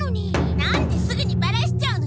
何ですぐにバラしちゃうのよ！